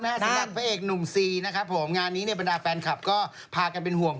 สัญลักษณ์พระเอกหนุ่มซีงานนี้บรรดาแฟนครับพากันเป็นห่วง